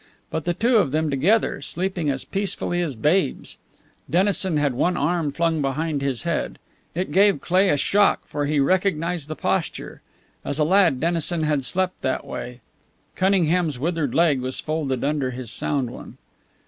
But the two of them together, sleeping as peacefully as babes! Dennison had one arm flung behind his head. It gave Cleigh a shock, for he recognized the posture. As a lad Dennison had slept that way. Cunningham's withered leg was folded under his sound one.